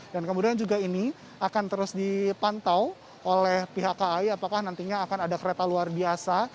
kemudian juga ini akan terus dipantau oleh pihak kai apakah nantinya akan ada kereta luar biasa